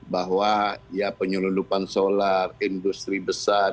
bahwa penyelundupan solar industri besar